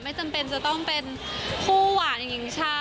ไม่ต้องเป็นผู้หวานจริงค่ะ